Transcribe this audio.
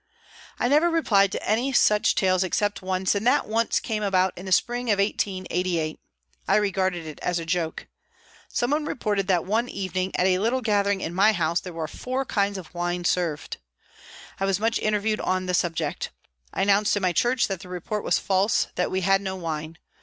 I never replied to any such tales except once, and that once came about in the spring of 1888. I regarded it as a joke. Some one reported that one evening, at a little gathering in my house, there were four kinds of wine served. I was much interviewed on the subject. I announced in my church that the report was false, that we had no wine.